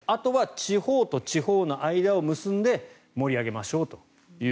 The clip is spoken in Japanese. あとは地方と地方の間を結んで盛り上げましょうと。